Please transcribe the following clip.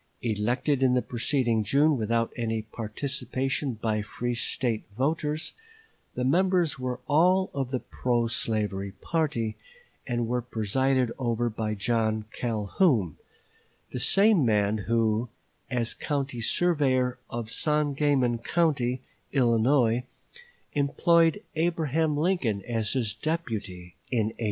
Elected in the preceding June without any participation by free State voters, the members were all of the pro slavery party, and were presided over by John Calhoun, the same man who, as county surveyor of Sangamon County, Illinois, employed Abraham Lincoln as his deputy in 1832.